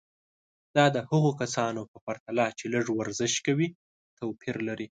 دا د هغو کسانو په پرتله چې لږ ورزش کوي توپیر لري.